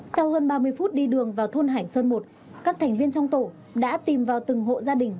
sau hơn ba mươi phút đi đường vào thôn hải sơn một các thành viên trong tổ đã tìm vào từng hộ gia đình